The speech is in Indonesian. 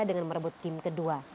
dengan merebut game kedua